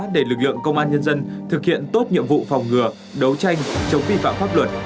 để lực lượng công an nhân dân thực hiện tốt nhiệm vụ phòng ngừa đấu tranh chống vi phạm pháp luật